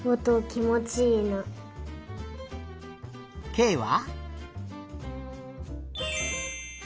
けいは？